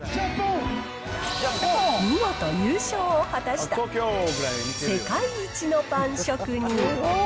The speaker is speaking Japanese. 見事優勝を果たした、世界一のパン職人。